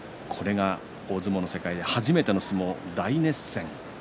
大相撲の世界で初めての相撲、大熱戦。